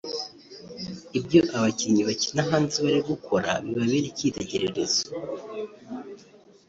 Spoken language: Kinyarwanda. Ibyo abakinnyi bakina hanze bari gukora bibabere icyitegererezo